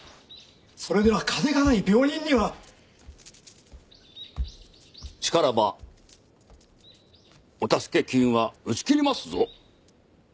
それでは金がない病人にはしからばお助け金は打ち切りますぞ